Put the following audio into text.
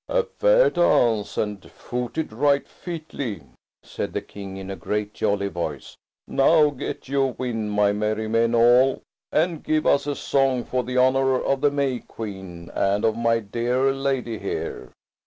"A fair dance and footed right featly," said the King in a great, jolly voice. "Now get you wind, my merry men all, and give us a song for the honour of the May Queen and of my dear lady here."